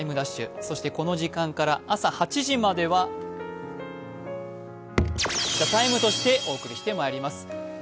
そしてこの時間から朝８時までは「ＴＨＥＴＩＭＥ，」としてお送りしてまいります。